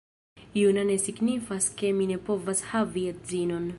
Juna ne signifas ke mi ne povas havi edzinon